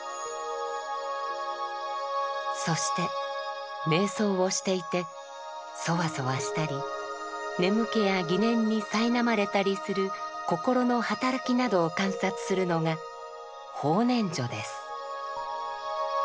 そして瞑想をしていてそわそわしたり眠気や疑念にさいなまれたりする心の働きなどを観察するのが「法念処」です。